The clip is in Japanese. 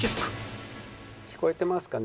聞こえてますかね？